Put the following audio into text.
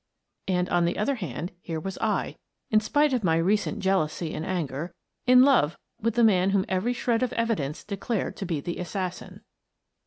And, on the other hand, here was I — in spite of my recent jealousy and anger — in love with the man whom every shred of evidence declared to be the assassin.